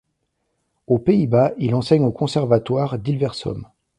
Aux Pays-Bas, il enseigne au conservatoire d’Hilversum.